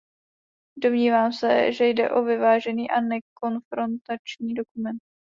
Domnívám se, že jde o vyvážený a nekonfrontační dokument.